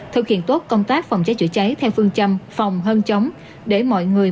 thực hiện tốt công tác phòng cháy chữa cháy theo phương châm phòng hơn chống để mọi người